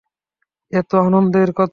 এ তো আনন্দের কথা।